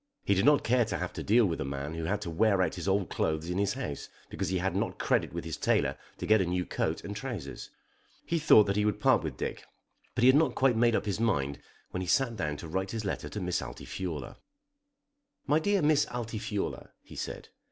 He did not care to have to deal with a man who had to wear out his old clothes in his house because he had not credit with his tailor to get a new coat and trousers. He thought that he would part with Dick; but he had not quite made up his mind when he sat down to write his letter to Miss Altifiorla. "My dear Miss Altifiorla," he said.